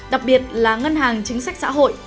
đặc biệt là ngân hàng chính sách xã hội